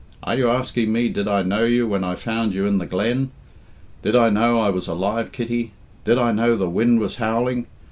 Are you asking me did I know you when I found you in the glen? Did I know I was alive, Kitty? Did I know the wind was howling?